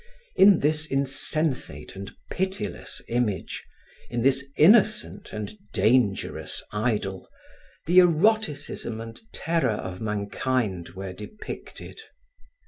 In this insensate and pitiless image, in this innocent and dangerous idol, the eroticism and terror of mankind were depicted.